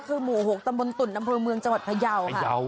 คือหมู่๖ตำบลตุ่นอำเภอเมืองจังหวัดพยาวค่ะ